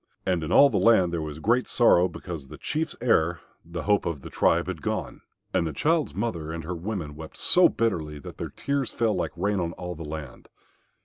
And in all the land there was great sorrow because the Chief's heir, the hope of the tribe, had gone. And the child's mother and her women wept so bitterly that their tears fell like rain on all the land.